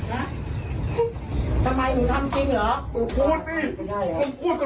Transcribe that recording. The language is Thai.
ไอ้มิทำไมทำจริงเหรอ